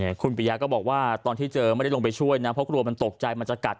คุณปริยาก็บอกว่าตอนที่เจอไม่ได้ลงไปช่วยนะเพราะกลัวมันตกใจมันจะกัด